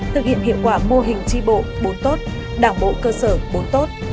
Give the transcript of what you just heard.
thực hiện hiệu quả mô hình tri bộ bốn tốt đảng bộ cơ sở bốn tốt